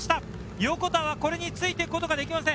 横田はこれについていくことができません。